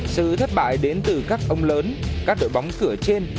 sự thất bại đến từ các ông lớn các đội bóng sửa trên